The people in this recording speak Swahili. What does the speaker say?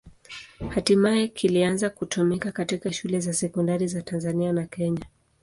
Hatimaye kilianza kutumika katika shule za sekondari za Tanzania na Kenya.